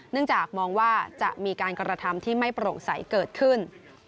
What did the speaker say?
จากมองว่าจะมีการกระทำที่ไม่โปร่งใสเกิดขึ้น